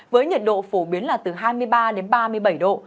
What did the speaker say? với nhiệt độ phổ biến là từ hai mươi ba đến ba mươi bảy độ